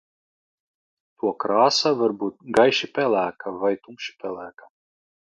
To krāsa var būt gaiši pelēka vai tumši pelēka.